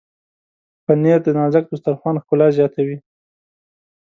پنېر د نازک دسترخوان ښکلا زیاتوي.